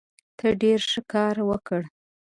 ته ډېر ښه کار وکړ.